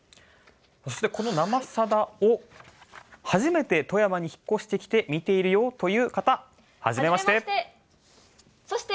「生さだ」を初めて富山に引っ越してきて見ているよという方はじめまして。